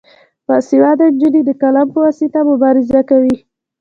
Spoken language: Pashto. باسواده نجونې د قلم په واسطه مبارزه کوي.